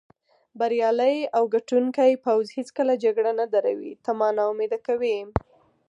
بریالی او ګټوونکی پوځ هېڅکله جګړه نه دروي، ته ما نا امیده کوې.